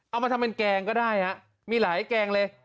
เอามาทำเป็นแกงก็ได้ฮะมีหลายแกงเลย